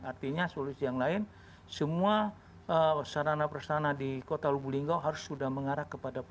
artinya solusi yang lain semua sarana perstana di kota lubuk lingga harus sudah mengarah kepada bapak